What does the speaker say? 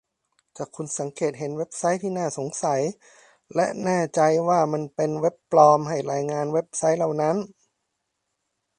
ถ้าคุณสังเกตเห็นเว็บไซต์ที่น่าสงสัยและแน่ใจว่ามันเป็นเว็บปลอมให้รายงานเว็บไชต์เหล่านั้น